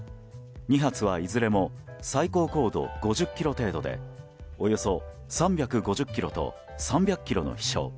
２発はいずれも最高高度５０ｋｍ程度でおよそ３５０ｋｍと３００ｋｍの飛翔。